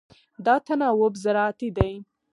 دا تناوب زراعتي دی.